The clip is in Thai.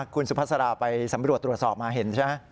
คุณสุภาษาไปสำรวจตรวจสอบมาเห็นใช่ไหม